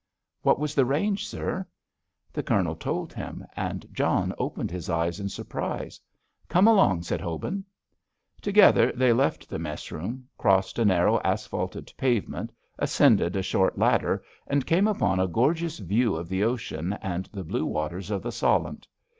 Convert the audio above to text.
"What was the range, sir?" The Colonel told him, and John opened his eyes in surprise. "Come along," said Hobin. Together they left the mess room, crossed a narrow, asphalted pavement, ascended a short ladder and came upon a gorgeous view of the ocean and the blue waters of the Solent.